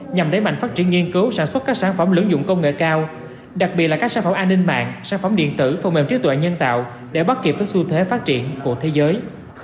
nhằm đẩy mạnh phát triển nghiên cứu sản xuất các sản phẩm lưỡng dụng công nghệ cao đặc biệt là các sản phẩm an ninh mạng sản phẩm điện tử phần mềm trí tuệ nhân tạo để bắt kịp với xu thế phát triển của thế giới